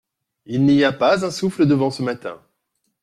Il n’y a pas un souffle de vent ce matin.